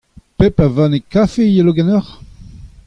Pep a vanne kafe a yelo ganeoc'h ?